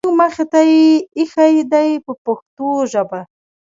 زموږ مخې ته یې اېښي دي په پښتو ژبه.